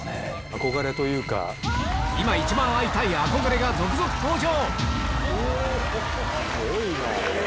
今一番会いたい憧れが続々登場！